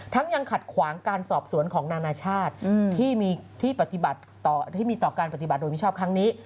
ทั้งยังขัดขวางการสอบสวนของนานาชาติที่มีต่อการปฏิบัติโดยมิชาปครั้งนี้